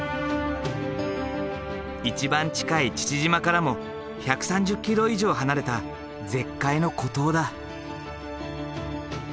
１番近い父島からも１３０ｋｍ以上離れた絶海の孤島だ。